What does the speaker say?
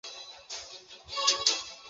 国家机器是一个政治术语。